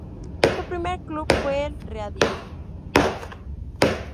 Su primer club fue el Reading.